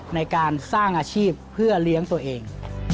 ในการสร้างอาชีพเพื่อเลี้ยงตัวเอง